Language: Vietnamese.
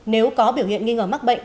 nếu có biểu hiện nghi ngờ mắc bệnh